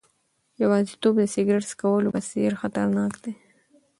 یوازیتوب د سیګریټ څکولو په څېر خطرناک دی.